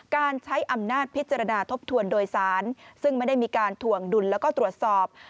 การใช้อำนาจพิจารณาทบทวนโดยสารซึ่งไม่ได้มีการถวงดุลแล้วก็ตรวจสอบ